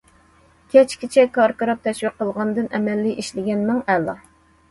كەچكىچە كاركىراپ تەشۋىق قىلغاندىن ئەمەلىي ئىشلىگەن مىڭ ئەلا.